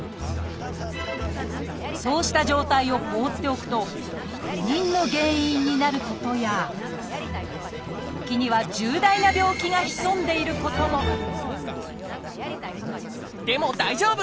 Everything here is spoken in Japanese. そうした状態を放っておくと不妊の原因になることや時には重大な病気が潜んでいることもでも大丈夫！